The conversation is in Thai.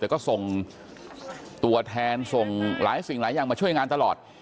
แต่ก็ส่งตัวแทนส่งหลายสิ่งหลายอย่างมาช่วยงานตลอด